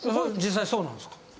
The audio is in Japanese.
実際そうなんですか？